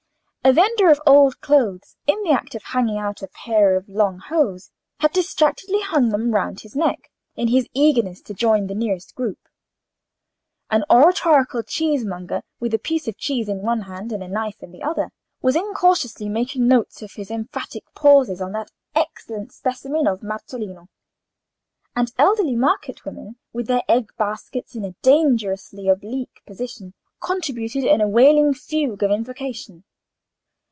A vendor of old clothes, in the act of hanging out a pair of long hose, had distractedly hung them round his neck in his eagerness to join the nearest group; an oratorical cheesemonger, with a piece of cheese in one hand and a knife in the other, was incautiously making notes of his emphatic pauses on that excellent specimen of marzolino; and elderly market women, with their egg baskets in a dangerously oblique position, contributed a wailing fugue of invocation.